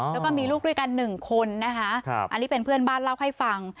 แล้วก็มีลูกด้วยกันหนึ่งคนนะคะอันนี้เป็นเพื่อนบ้านเล่าให้ฟัง